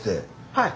はい。